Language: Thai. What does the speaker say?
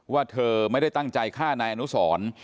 ว่าเธอไม่ได้ตั้งใจฆ่านายอนุสร